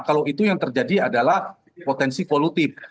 kalau itu yang terjadi adalah potensi kolutif